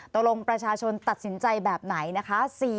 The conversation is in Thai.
ประชาชนตัดสินใจแบบไหนนะคะ